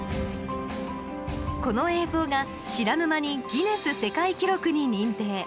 この映像が知らぬ間にギネス世界記録に認定。